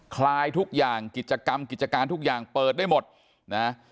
คลายทุกอย่างกิจกรรมกิจการทุกอย่างเปิดได้หมดนะ